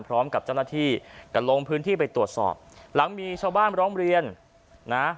พร้อมกับเจ้าหน้าที่ก็ลงพื้นที่ไปตรวจสอบหลังมีชาวบ้านร้องเรียนนะ